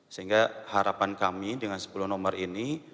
sehingga harapan kami dengan sepuluh nomor ini